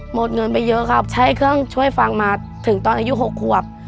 หมดเงินไปเยอะครับใช้เครื่องช่วยฟังมาถึงตอนอายุ๖ขวบ